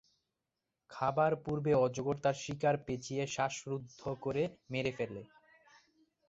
খাবার পূর্বে অজগর তার শিকার পেঁচিয়ে শ্বাসরুদ্ধ করে মেরে ফেলে।